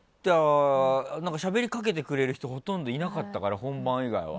だからしゃべりかけてくれる人がほとんどいなかったから本番以外は。